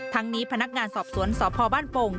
ทั้งนี้พนักงานสอบสวนสพบ้านโป่ง